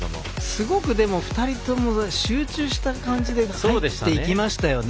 すごく２人とも集中した感じで入っていきましたよね。